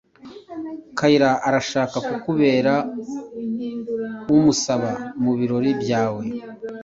Kayira arashaka kukubera umusaba mubirori byawe.